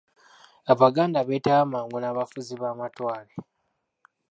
Abaganda beetaba mangu n'abafuzi b'amatwale .